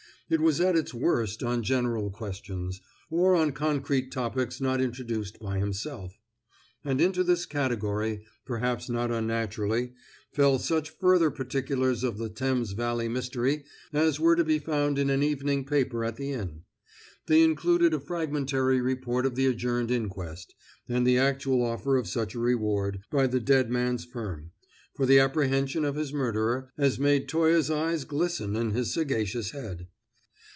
It was at its worst on general questions, or on concrete topics not introduced by himself; and into this category, perhaps not unnaturally, fell such further particulars of the Thames Valley mystery as were to be found in an evening paper at the inn. They included a fragmentary report of the adjourned inquest, and the actual offer of such a reward, by the dead man's firm, for the apprehension of his murderer, as made Toye's eyes glisten in his sagacious head.